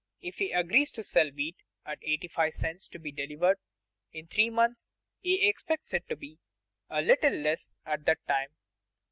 If he agrees to sell wheat at eighty five cents to be delivered in three months, he expects it to be a little less at that time.